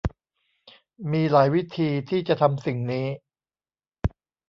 มีหลายวิธีที่จะทำสิ่งนี้